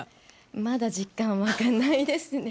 まだ実感湧かないですね。